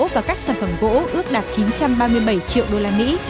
và các sản phẩm gỗ ước đạt chín trăm ba mươi bảy triệu đô la mỹ